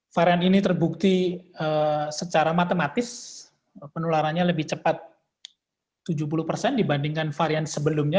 varian ini terbukti secara matematis penularannya lebih cepat tujuh puluh persen dibandingkan varian sebelumnya